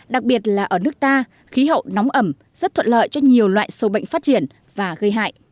đặc biệt là ở nước ta khí hậu nóng ẩm rất thuận lợi cho nhiều loại sâu bệnh phát triển và gây hại